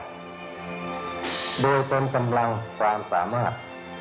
โดยเต็มกำลังความสามารถ